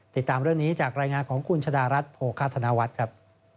ติดตามเรื่องนี้จากรายงานของคุณชะดารัฐโภคาธนวัฒน์ครับ